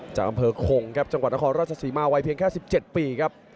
จากบังเผอร์โคงจังหวัดนครราชสีมาวัยเพียงแค่๑๗ปี